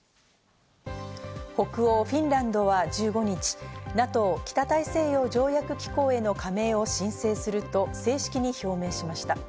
北欧フィンランドは１５日、ＮＡＴＯ＝北大西洋条約機構への加盟を申請すると正式に表明しました。